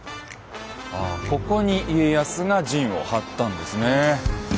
ああここに家康が陣を張ったんですね。